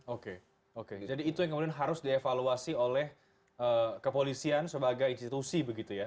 oke oke jadi itu yang kemudian harus dievaluasi oleh kepolisian sebagai institusi begitu ya